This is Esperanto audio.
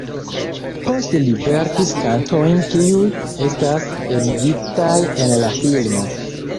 Post li verkis kantojn, kiuj estis enigitaj en la filmo.